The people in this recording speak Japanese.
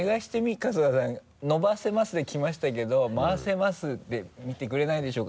伸ばせますで来ましたけど回せますで見てくれないでしょうか」